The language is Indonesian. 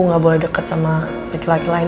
nggak boleh deket sama bagi bagi lain